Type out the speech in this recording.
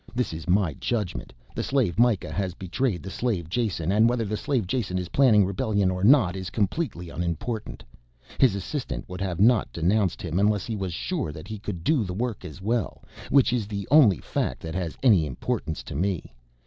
This is my judgment. The slave Mikah has betrayed the slave Jason, and whether the slave Jason is planning rebellion or not is completely unimportant. His assistant would have not denounced him unless he was sure that he could do the work as well, which is the only fact that has any importance to me.